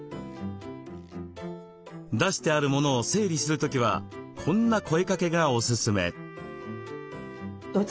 出してある物を整理する時はこんな声かけがおすすめ。